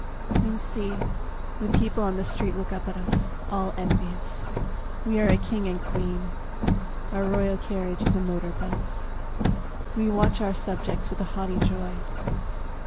... And see, The people on the street look up at us All envious. We are a king and queen, Our royal carriage is a motor bus, We watch our subjects with a haughty joy.